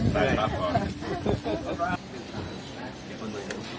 ไปบั๊กฟอร์น